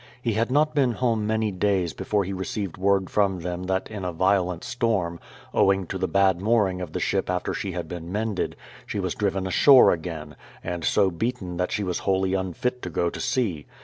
He had not been home many days before he received word from them that in a violent storm, owing to the bad mooring of the ship after she had been mended, she was driven ashore again, and so beaten that she was wholly unfit to go to sea.